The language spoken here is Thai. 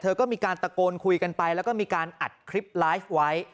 ก็มีการตะโกนคุยกันไปแล้วก็มีการอัดคลิปไลฟ์ไว้